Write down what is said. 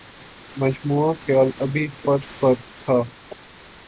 مجموعہ خیال ابھی فرد فرد تھا